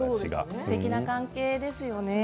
すてきな関係ですよね。